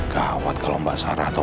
gawat kalau mbak sarah atau